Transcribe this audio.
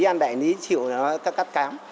anh đại lý chịu thì nó cắt cám